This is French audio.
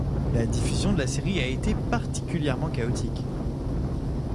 La diffusion de la série a été particulièrement chaotique.